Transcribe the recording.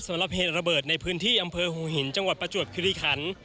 สำหรับเหตุระเบิดในพื้นที่อำเภอหูหินจังหวัดประจวบคิริคัน